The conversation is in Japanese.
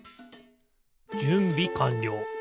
じゅんびかんりょう。